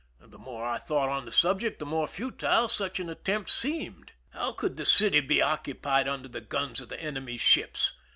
The more I thought on the subject, the more futile such an attempt seemed. How could 174 IMPEISONMENT IN MOREO CASTLE the city be occupied under the guns of the enemy's ships